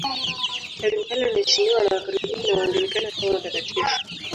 Tangu kale anaheshimiwa na Wakatoliki na Waanglikana kama mtakatifu.